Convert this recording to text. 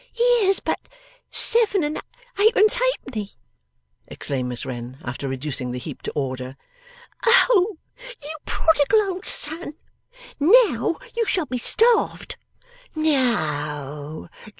'Here's but seven and eightpence halfpenny!' exclaimed Miss Wren, after reducing the heap to order. 'Oh, you prodigal old son! Now you shall be starved.